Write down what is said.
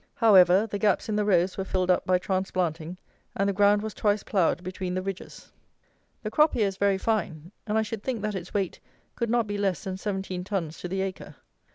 However, the gaps in the rows were filled up by transplanting; and the ground was twice ploughed between the ridges. The crop here is very fine; and I should think that its weight could not be less than 17 tons to the acre.